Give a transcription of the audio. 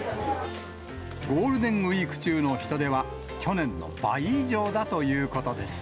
ゴールデンウィーク中の人出は、去年の倍以上だということです。